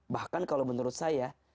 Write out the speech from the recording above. bahkan kalau menurut saya